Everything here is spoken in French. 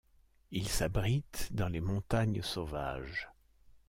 Il s'abrite dans les montagnes sauvages.